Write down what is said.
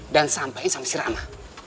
dan sampaikan sama si rama